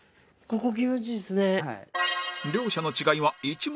ここ。